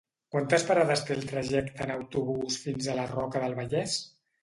Quantes parades té el trajecte en autobús fins a la Roca del Vallès?